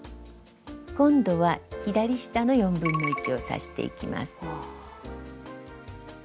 今度は左下の1/4を刺していきます。